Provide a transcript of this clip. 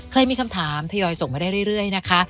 มีคำถามทยอยส่งมาได้เรื่อยนะคะ